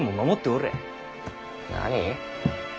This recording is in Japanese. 何？